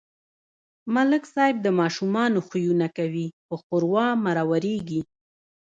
ملک صاحب د ماشومانو خویونه کوي په ښوراو مرورېږي.